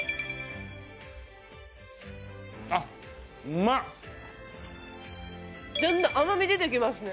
あっだんだん甘み出てきますね